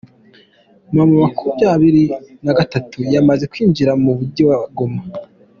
M makumyabiri nagatatu yamaze kwinjira mu Mujyi wa Goma